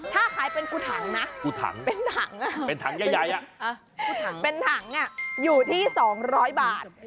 ถ้าขายเป็นกุถังนะเป็นถังอยู่ที่๒๐๐บาท